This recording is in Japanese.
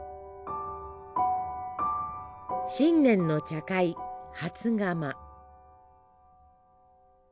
新年の茶会初釜。